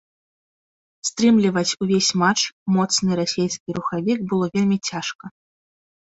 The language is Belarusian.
Стрымліваць увесь матч моцны расейскі рухавік было вельмі цяжка.